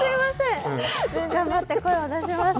頑張って声を出します。